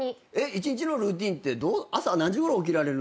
１日のルーティンって朝何時ごろ起きられるんですか？